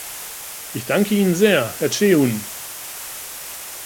Ich danke Ihnen sehr, Herr Ceyhun!